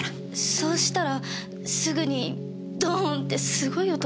そうしたらすぐにドーンッてすごい音が。